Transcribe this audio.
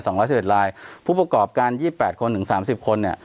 สองร้อยสี่สิบรายผู้ประกอบการยี่สิบแปดคนถึงสามสิบคนเนี้ย